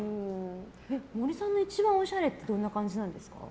森さんの一番おしゃれってどんな感じなんですか？